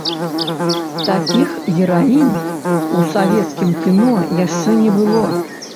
Такіх гераінь ў савецкім кіно яшчэ не было.